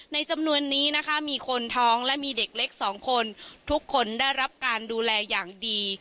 จำนวนนี้นะคะมีคนท้องและมีเด็กเล็กสองคนทุกคนได้รับการดูแลอย่างดี